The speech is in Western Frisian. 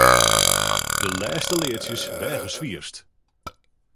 De lêste leadsjes weage swierst.